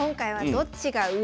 「どっちが上？」